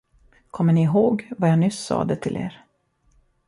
Kommer ni ihåg, vad jag nyss sade till er?